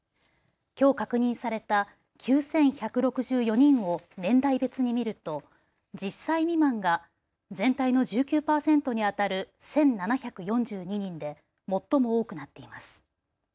きょう確認された９１６４人を年代別に見ると１０歳未満が全体の１９％にあたる１７４２人で最も多くなっています。